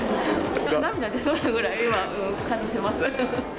涙出そうなぐらい今、感動してます。